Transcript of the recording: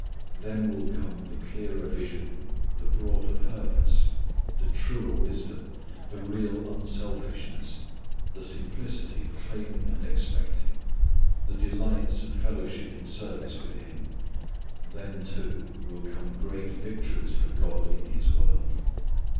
Then will come the clearer vision, the broader purpose, the truer wisdom, the real unselfishness, the simplicity of claiming and expecting, the delights of fellowship in service with Him; then too will come great victories for God in His world.